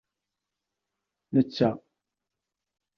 Netta iɣil d zzheṛ ay t-yesrebḥen.